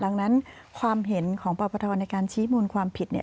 ดังนั้นความเห็นของปปทในการชี้มูลความผิดเนี่ย